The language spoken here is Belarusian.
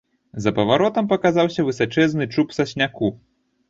За паваротам паказаўся высачэзны чуб сасняку.